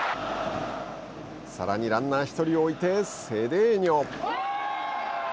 さらにランナー１人を置いてセデーニョ。